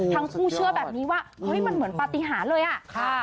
ทั้งคู่เชื่อแบบนี้ว่าเฮ้ยมันเหมือนปฏิหารเลยอ่ะค่ะ